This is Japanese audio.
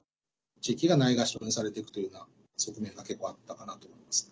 地域がないがしろにされていくというような側面が結構あったかなと思いますね。